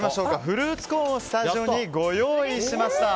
フルーツコーンをスタジオにご用意しました。